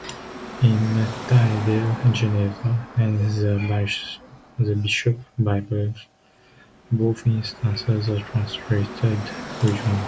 In Tyndale, "Geneva" and the "Bishops' Bibles", both instances are translated "rejoice".